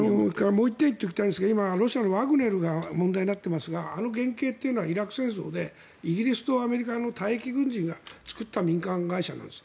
もう１点言っておきたいんですが今、ロシアのワグネルが問題になってますがあの原型というのはイラク戦争でイギリスとアメリカの退役軍人が作った民間会社なんです。